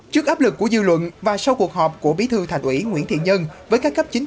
trước áp lực của dư luận và sau cuộc họp của bí thư thành ủy nguyễn thiện nhân với các cấp chính